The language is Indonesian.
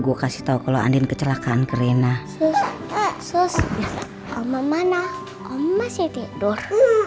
gue kasih tahu kalau andi kecelakaan kerenah sus sus sus mana masih tidur